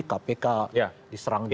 kpk diserang juga